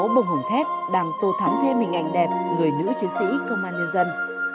bông hồng thép đang tô thắm thêm hình ảnh đẹp người nữ chiến sĩ công an nhân dân